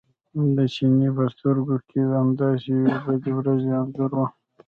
د چیني په سترګو کې د همداسې یوې بدې ورځې انځور و.